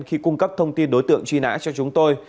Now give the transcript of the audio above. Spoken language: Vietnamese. khi cung cấp thông tin đối tượng truy nã cho chúng tôi